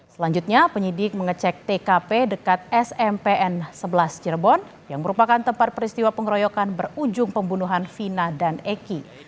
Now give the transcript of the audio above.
selanjutnya penyidik mengecek tkp dekat smpn sebelas cirebon yang merupakan tempat peristiwa pengeroyokan berujung pembunuhan vina dan eki